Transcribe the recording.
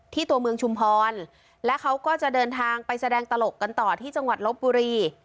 ตัวเมืองชุมพรและเขาก็จะเดินทางไปแสดงตลกกันต่อที่จังหวัดลบบุรี